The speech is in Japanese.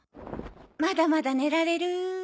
まだまだ寝られる。